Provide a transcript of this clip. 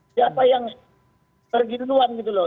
siapa yang pergi duluan gitu loh